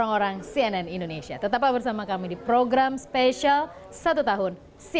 dari tiga di kuartal awal tahun dua ribu enam belas